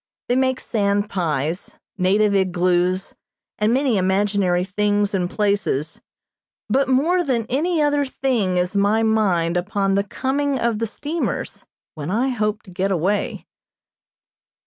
They make sand pies, native igloos, and many imaginary things and places, but more than any other thing is my mind upon the coming of the steamers, when I hope to get away.